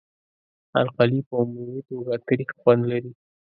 القلي په عمومي توګه تریخ خوند لري.